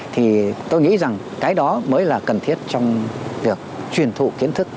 thì tôi nghĩ rằng cái đó mới là cần thiết trong việc truyền thụ kiến thức